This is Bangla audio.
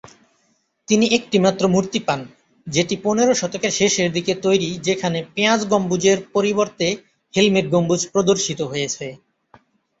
তিনি একটিমাত্র মূর্তি পান, যেটি পনের শতকের শেষের দিকে তৈরি যেখানে পেঁয়াজ গম্বুজের পরিবর্তে হেলমেট গম্বুজ প্রদর্শিত হয়েছে।